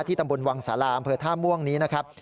ตำบลวังสาราอำเภอท่าม่วงนี้นะครับ